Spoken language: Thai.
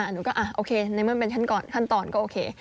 หนูก็โอเคในเมื่อมันเป็นท่านก่อนขั้นตอนก็โอเค